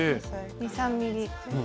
２３ｍｍ。